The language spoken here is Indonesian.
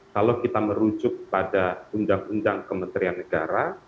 kalau kita merujuk pada undang undang kementerian negara